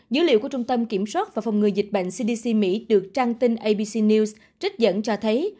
dữ liệu của trung tâm kiểm soát và phòng ngừa dịch bệnh cdc mỹ được trang tin abc news trích dẫn cho thấy